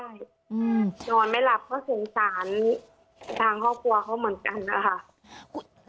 ใช่นอนไม่หลับก็สงสารทางครอบครัวเขาเหมือนกันนะคะ